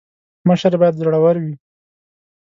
مشر باید زړه ور وي